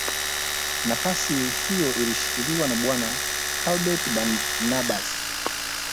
Nafasi hiyo ilishikiliwa na Bwana Herbert Barnabas